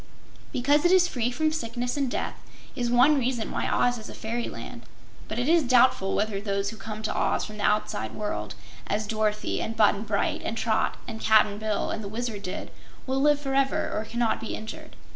Because it is free from sickness and death is one reason why Oz is a fairyland, but it is doubtful whether those who come to Oz from the outside world, as Dorothy and Button Bright and Trot and Cap'n Bill and the Wizard did, will live forever or cannot be injured.